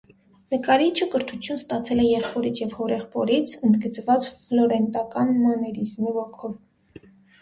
Նկարիչը կրթություն ստացել է եղբորից և հորեղբորից՝ ընդգծված ֆլորենտական մաներիզմի ոգով։